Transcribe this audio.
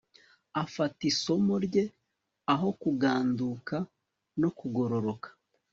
Afata isomo rye aho kuganduka no kugororoka